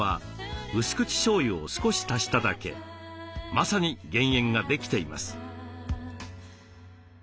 まさに減塩ができています。